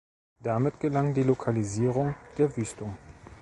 Damit gelang die Lokalisierung der Wüstung.